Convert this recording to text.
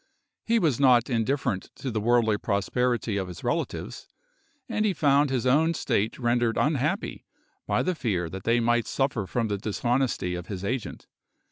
He was not indifferent to the worldly prosperity of his relatives, and he found his own state rendered unhappy by the fear that they might suffer from the dishonesty of his agent.